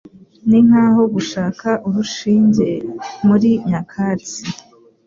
Ninkaho gushaka urushinge muri nyakatsi.